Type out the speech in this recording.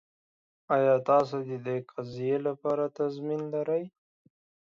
ایا تاسو د دې قضیې لپاره تضمین لرئ؟